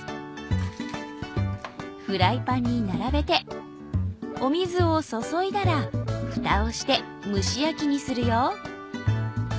フライパンに並べてお水を注いだらフタをして蒸し焼きにするよ。